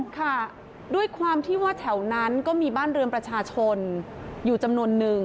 ค่ะด้วยความที่ว่าแถวนั้นก็มีบ้านเรือนประชาชนอยู่จำนวนนึง